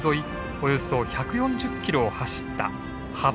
およそ１４０キロを走った羽幌線。